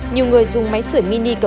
nhiều người dùng máy sửa mini kèm